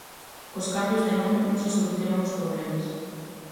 Cos cambios de nome non se solucionan os problemas.